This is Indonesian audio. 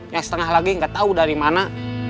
yang setengah lagi gak tau dari mana